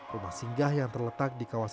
rumah singgah yang terletak di kawasan